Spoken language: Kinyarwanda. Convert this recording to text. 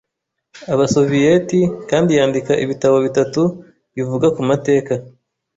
Abasoviyeti kandi yandika ibitabo bitatu bivuga ku mateka